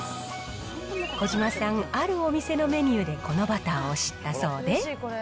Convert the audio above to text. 小島さん、あるお店のメニューで、このバターを知ったそうで。